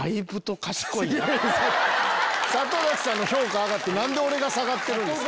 里崎さんの評価上がって何で俺が下がってるんですか。